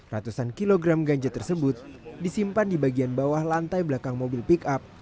ratusan kilogram ganja tersebut disimpan di bagian bawah lantai belakang mobil pick up